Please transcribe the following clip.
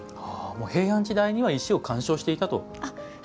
平安時代には石を観賞していたと。